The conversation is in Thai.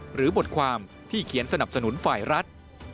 หรือบทความที่เขียนสนับสนุนฝ่ายรัฐ